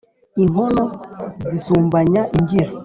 Inkono zisumbanya imbyiro.